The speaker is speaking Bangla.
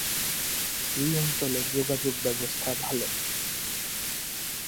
এই অঞ্চলের যোগাযোগ ব্যবস্থা ভাল।